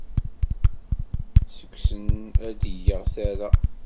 Seg-sen ay d-ggiḍ tara.